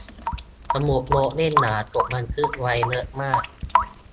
สมุดโน้ตเล่มหนา จดบันทึกไว้เยอะมาก